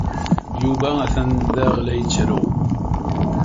Yuba atan daɣ la yettru.